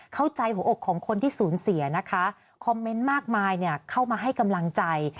เข้าใจหัวอกของคนที่สูญเสียนะคะคอมเมนต์มากมายเนี่ยเข้ามาให้กำลังใจ